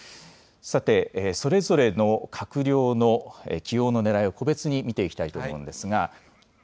さて、それぞれの閣僚の起用のねらいを個別に見ていきたいと思います。